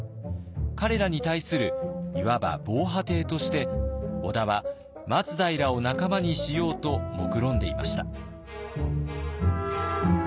彼らに対するいわば防波堤として織田は松平を仲間にしようともくろんでいました。